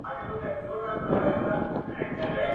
توره شپه ده غوړېدلې له هر څه ده ساه ختلې.